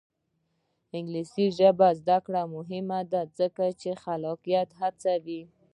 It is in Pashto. د انګلیسي ژبې زده کړه مهمه ده ځکه چې خلاقیت هڅوي.